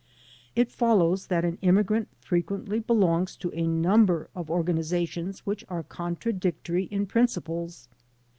It follows that an immigrant frequently belongs to a number of organizations which are contradictory in principles.